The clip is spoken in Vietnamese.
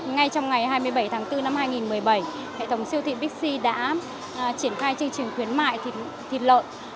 ngay trong ngày hai mươi bảy tháng bốn năm hai nghìn một mươi bảy hệ thống siêu thị bixi đã triển khai chương trình khuyến mại thịt lợn